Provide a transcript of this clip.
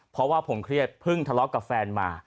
เพราะว่าผมเครียดเพิ่งทะเลาะกับแฟนมา